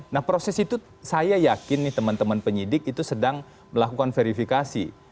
nah proses itu saya yakin nih teman teman penyidik itu sedang melakukan verifikasi